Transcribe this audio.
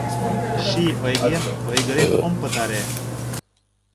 Ший ойгем ойгырен ом пытаре.